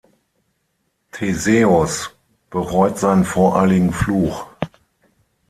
Theseus bereut seinen voreiligen Fluch.